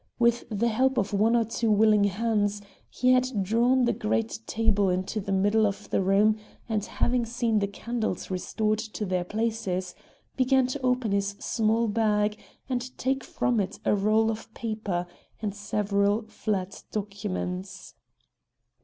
With the help of one or two willing hands, he had drawn the great table into the middle of the room and, having seen the candles restored to their places, began to open his small bag and take from it a roll of paper and several flat documents.